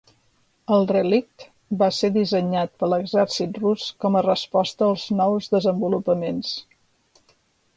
El Relikt va ser dissenyat per l'exèrcit rus com a resposta als nous desenvolupaments.